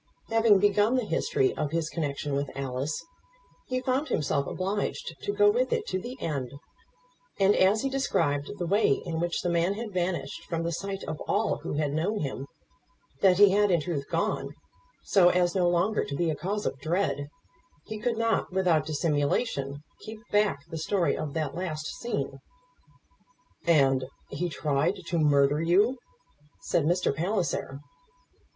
Having begun the history of his connection with Alice, he found himself obliged to go with it to the end, and as he described the way in which the man had vanished from the sight of all who had known him, that he had in truth gone, so as no longer to be a cause of dread, he could not without dissimulation, keep back the story of that last scene. "And he tried to murder you!" said Mr. Palliser.